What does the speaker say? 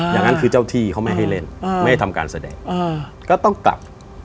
อย่างนั้นคือเจ้าที่เขาไม่ให้เล่นไม่ให้ทำการแสดงก็ต้องกลับ